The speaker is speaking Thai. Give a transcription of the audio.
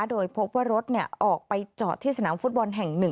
โดยพบว่ารถออกไปจอดที่สนามฟุตบอลแห่ง๑